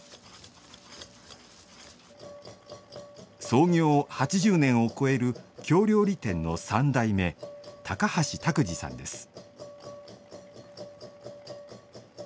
創業８０年を越える京料理店の三代目高橋拓児さんです。